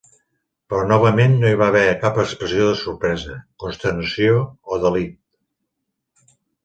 Però novament no hi va haver cap expressió de sorpresa, consternació o delit.